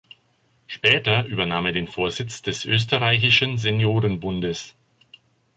Später übernahm er den Vorsitz des Österreichischen Seniorenbundes.